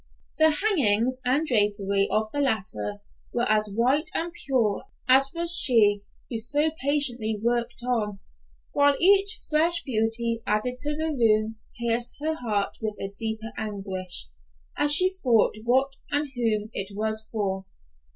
The hangings and drapery of the latter were as white and pure as was she who so patiently worked on, while each fresh beauty added to the room pierced her heart with a deeper anguish, as she thought what and whom it was for.